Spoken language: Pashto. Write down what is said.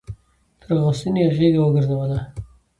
تر غوث الدين يې غېږه وګرځوله.